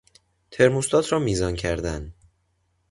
ترموستات را میزان کردن